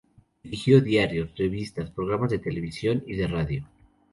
Dirigió diarios, revistas, programas de televisión y de radio.